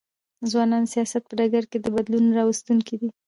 ځوانان د سیاست په ډګر کي د بدلون راوستونکي دي.